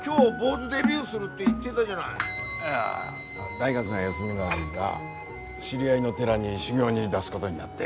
大学が休みの間知り合いの寺に修行に出すごどになって。